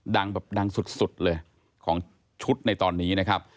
ดังแบบดังสุดเลยของชุดในตอนนี้นะครับ